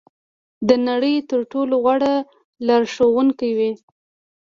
د نړۍ تر ټولو غوره لارښوونکې وي.